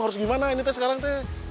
harus gimana ini teh sekarang teh